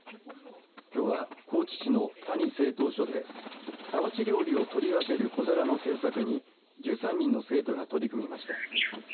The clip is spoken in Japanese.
きょうは高知市の谷製陶所で皿鉢料理を取り分ける小皿の製作に１３人の生徒が取り組みました。